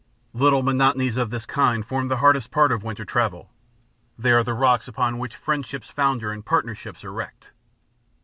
Little monotonies of this kind form the hardest part of winter travel, they are the rocks upon which friendships founder and partnerships are wrecked.